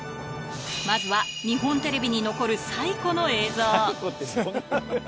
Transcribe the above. まずは日本テレビに残る最古の映像。